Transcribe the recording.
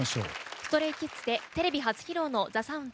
ＳｔｒａｙＫｉｄｓでテレビ初披露の「ＴＨＥＳＯＵＮＤ」